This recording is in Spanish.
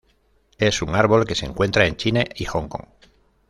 Es un árbol que se encuentra en China y Hong Kong.